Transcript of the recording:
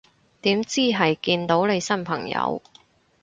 點知係見到你新朋友